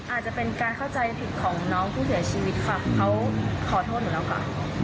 อาจจะเป็นการเข้าใจผิดของน้องผู้เสียชีวิตค่ะเขาขอโทษหนูแล้วค่ะ